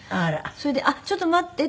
それで「ちょっと待って」って。